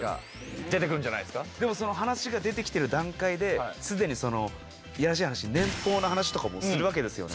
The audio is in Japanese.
でもその話が出てきてる段階で既にいやらしい話年俸の話とかもするわけですよね。